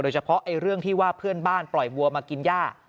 เฉพาะเรื่องที่ว่าเพื่อนบ้านปล่อยวัวมากินย่า